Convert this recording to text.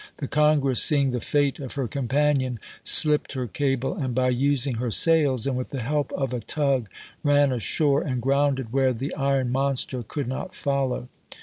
The Congress, seeing the fate of her companion, slipped her cable, and by using her sails, and with the help of a tug, ran ashore and grounded where the iron monster could not follow.